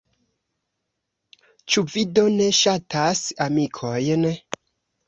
Ĉu vi do ne ŝatas amikojn?